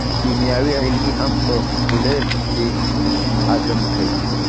کیمیاوي عملیې هم په خوله کې هضم کوي.